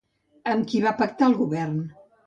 Amb qui va pactar al govern?